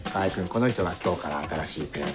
この人が今日から新しいペア長。